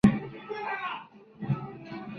Buff: ¡Muy bien!